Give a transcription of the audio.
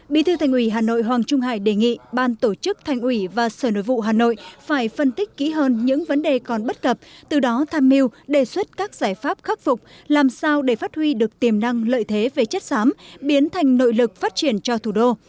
bí thư thành ủy hà nội hoàng trung hải đề nghị ban tổ chức thành ủy và sở nội vụ hà nội phải phân tích kỹ hơn những vấn đề còn bất cập từ đó tham mưu đề xuất các giải pháp khắc phục làm sao để phát huy được tiềm năng lợi thế về chất xám biến thành nội lực phát triển cho thủ đô